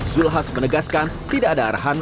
zulkifli hasan menegaskan tidak ada arahan